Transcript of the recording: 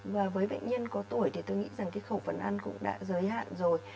và với bệnh nhân có tuổi thì tôi nghĩ rằng cái khẩu phần ăn cũng đã giới hạn rồi